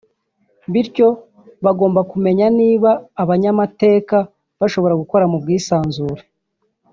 bityo bagomba kumenya niba abanyamateka bashobora gukora mu bwisanzure